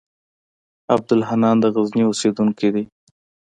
عبدالحنان د غزني اوسېدونکی دی.